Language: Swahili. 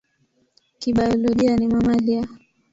Kibiolojia ni mamalia.